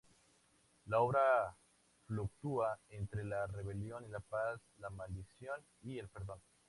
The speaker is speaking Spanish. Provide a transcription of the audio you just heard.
La obra fluctúa entre la rebelión y la paz, la maldición y el perdón.